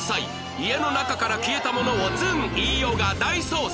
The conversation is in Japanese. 家の中から消えたものをずん飯尾が大捜索